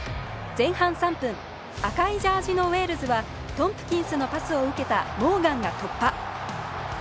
前半３分赤いジャージのウェールズはトンプキンスのパスを受けたモーガンが突破。